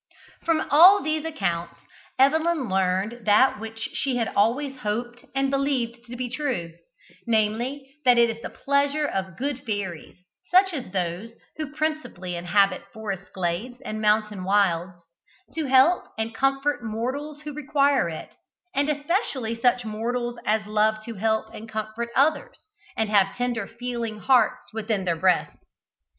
From all these accounts Evelyn learned that which she had always hoped and believed to be true, namely, that it is the pleasure of good fairies such as those who principally inhabit forest glades and mountain wilds to help and comfort mortals who require it, and especially such mortals as love to help and comfort others, and have tender feeling hearts within their breasts.